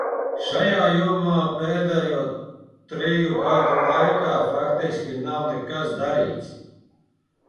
Šajā jomā pēdējo triju gadu laikā faktiski nav nekas darīts.